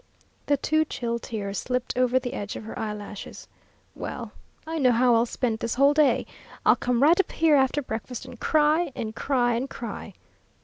The two chill tears slipped over the edge of her eyelashes. "Well, I know how I'll spend this whole day; I'll come right up here after breakfast and cry and cry and cry!"